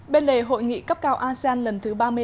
bên lề hội nghị cấp cao asean lần thứ ba mươi năm